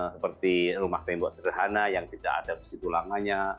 seperti rumah tembok sederhana yang tidak ada besi tulangannya